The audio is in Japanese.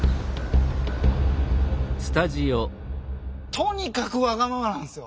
とにかくわがままなんすよ！